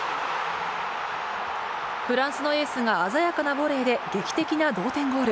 フランスのエースが鮮やかなボレーで劇的な同点ゴール。